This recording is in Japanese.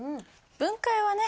分解はね